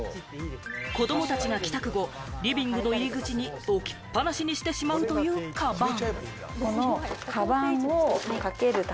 子供たちが帰宅後、リビングの入り口に置きっ放しにしてしまうという、かばん。